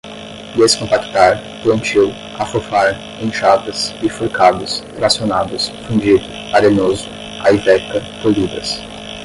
descompactar, plantio, afofar, enxadas, bifurcados, tracionados, fundido, arenoso, aiveca, polidas